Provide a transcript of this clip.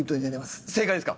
正解ですか？